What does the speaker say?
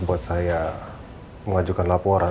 buat saya mengajukan laporan